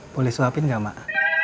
boleh suapin gak mak